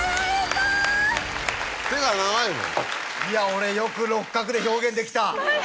いや俺よく６画で表現できた。